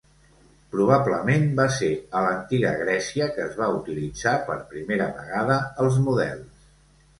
Probablement va ser a l'antiga Grècia que es va utilitzar per primera vegada els models.